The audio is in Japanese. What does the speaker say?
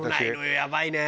やばいね。